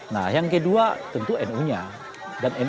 dan nu nya ini juga sedikit agak berbeda dengan nu nya pak emia imin